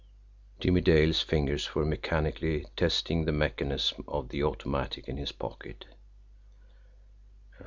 Jimmie Dale's fingers were mechanically testing the mechanism of the automatic in his pocket.